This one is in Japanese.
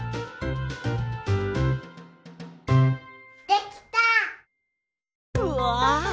できた！わ！